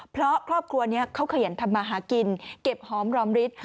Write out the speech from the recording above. เพราะครอบครัวนี้เขาขยันทำมาหากินเก็บหอมรอมฤทธิ์